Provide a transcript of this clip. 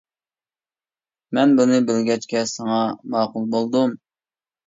مەن بۇنى بىلگەچكە ساڭا ماقۇل بولدۇم.